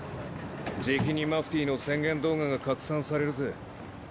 じきにマフティーの宣言動画が拡散されるぜ。